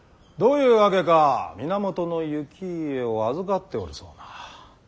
どういうわけか源行家を預かっておるそうな。